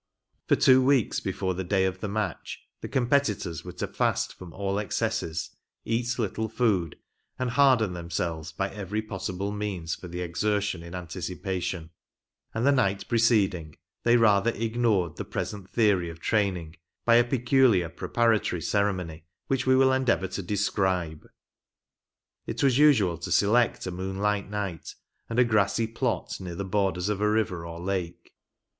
For two weeks before the day of the match, the competitors were to fast from all excesses, eat little food, and harden themselves by every possible means for the exertion in anticipation ; and the night pre ceding, they rather ignored the present theory of train ing, by a peculiar preparatory ceremony, which we will endeavour to describe. It was usual to select a moonlight night, and a grassy plot near the borders of a river or lake.